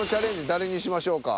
誰にしましょうか。